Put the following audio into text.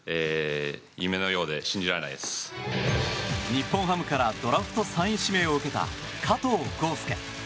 日本ハムからドラフト３位指名を受けた加藤豪将。